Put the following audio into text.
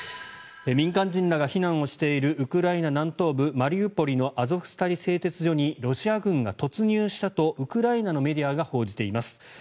民間人らが避難しているウクライナ南東部マリウポリのアゾフスタリ製鉄所にロシア軍が突入したとウクライナのメディアが報じています。